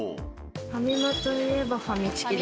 ファミマといえばファミチキですかね。